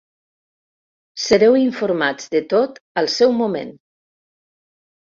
Sereu informats de tot al seu moment.